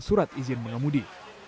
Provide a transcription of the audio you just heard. dan surat izin mengemudi